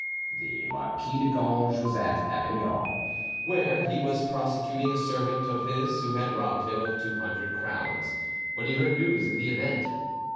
The Marquis de Ganges was at Avignon, where he was prosecuting a servant of his who had robbed him of two hundred crowns; when he heard news of the event.